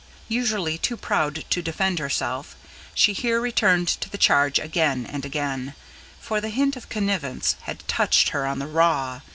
Usually too proud to defend herself, she here returned to the charge again and again; for the hint of connivance had touched her on the raw.